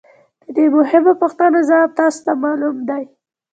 د دې مهمو پوښتنو ځواب تاسو ته معلوم دی